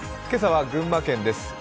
今朝は群馬県です。